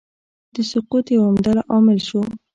د سقوط یو عمده عامل شو.